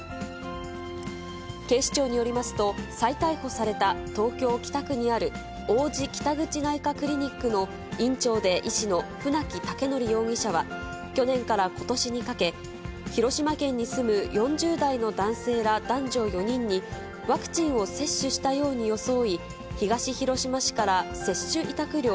警視庁によりますと、再逮捕された東京・北区にある、王子北口内科クリニックの院長で医師の船木威徳容疑者は、去年からことしにかけ、広島県に住む４０代の男性ら男女４人にワクチンを接種したように装い、東広島市から接種委託料